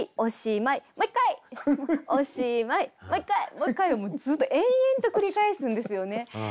「もう一回」をずっと延々と繰り返すんですよね。